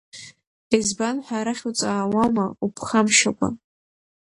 Избан ҳәа арахь уҵаауама уԥхамшьакәа.